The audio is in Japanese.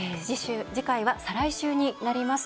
次回は再来週になります。